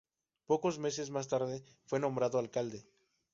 Pocos meses más tarde fue nombrado alcalde.